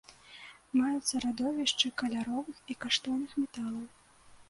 Маюцца радовішчы каляровых і каштоўных металаў.